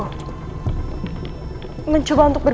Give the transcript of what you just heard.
kalau ter pelan pelan buat keluar